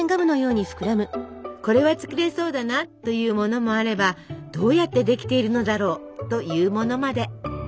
「これは作れそうだな」というものもあれば「どうやってできているのだろう？」というものまで！